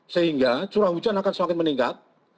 sehingga curah hujan akan semakin meningkat